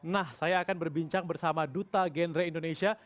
nah saya akan berbincang bersama duta genre indonesia